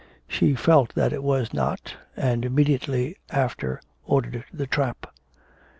She felt that it was not, and immediately after ordered the trap.